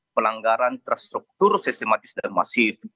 pelanggaran terstruktur sistematis dan masif